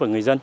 và người dân